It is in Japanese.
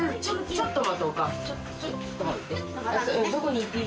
ちょっと待って。